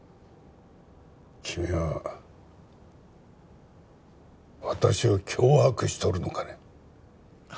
君は私を脅迫しとるのかね？